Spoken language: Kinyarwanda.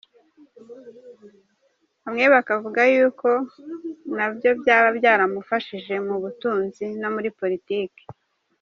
Bamwe bakavuga yuko nabyo byaba byaramufashije mu butunzi no muri politike.